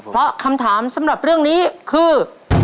เพราะคำถามสำหรับเรื่องนี้คือ